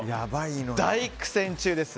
大苦戦中です。